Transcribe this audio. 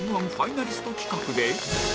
Ｍ−１ ファイナリスト企画で